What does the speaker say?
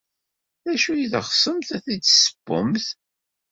D acu ay teɣsemt ad t-id-tessewwemt?